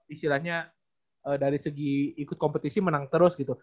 istilahnya dari segi ikut kompetisi menang terus gitu